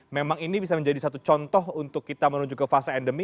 memang ini bisa menjadi satu contoh untuk kita menuju ke fase endemi